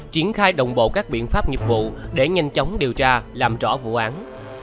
triển khai đồng bộ các biện pháp nghiệp vụ để nhanh chóng điều tra làm rõ vụ án